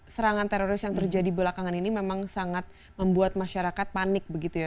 serangan teroris yang terjadi belakangan ini memang sangat membuat masyarakat panik begitu ya